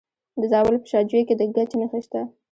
د زابل په شاجوی کې د ګچ نښې شته.